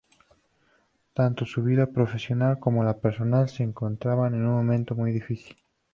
Tanto su vida profesional como la personal se encontraban en un momento muy difícil.